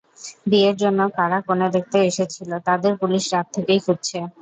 বিয়ের জন্য কারা কনে দেখতে এসেছিল তাদের পুলিশ রাত থেকেই খুঁজছে।